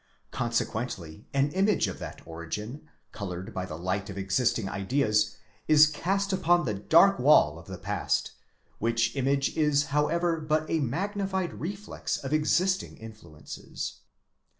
Con sequently an image of that origin, coloured by the light of existing ideas, is cast upon the dark wall of the past, which image is however but a magnified reflex of existing influences.